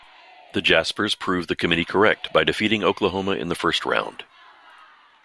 The Jaspers proved the committee correct by defeating Oklahoma in the first round.